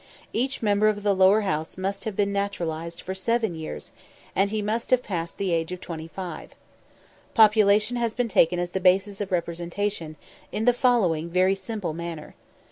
Each member of the Lower House must have been naturalised for seven years, and he must have passed the age of 25. Population has been taken as the basis of representation, in the following very simple manner.